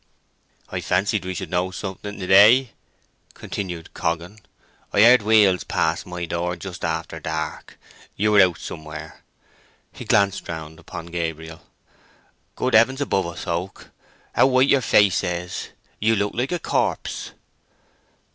"I fancied we should know something to day," continued Coggan. "I heard wheels pass my door just after dark—you were out somewhere." He glanced round upon Gabriel. "Good heavens above us, Oak, how white your face is; you look like a corpse!"